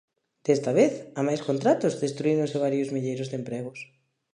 Desta vez, a máis contratos, destruíronse varios milleiros de empregos.